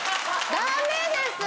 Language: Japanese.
ダメです！